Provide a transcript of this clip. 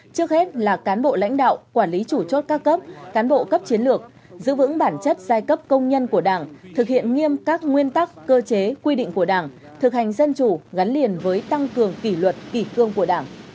trước hết là cán bộ lãnh đạo quản lý chủ chốt các cấp cán bộ cấp chiến lược giữ vững bản chất giai cấp công nhân của đảng thực hiện nghiêm các nguyên tắc cơ chế quy định của đảng thực hành dân chủ gắn liền với tăng cường kỷ luật kỷ cương của đảng